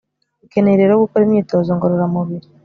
ukeneye rero gukora imyitozo ngororamubiri